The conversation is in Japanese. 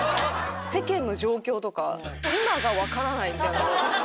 世間の状況とか「今がわからない！」みたいなのを。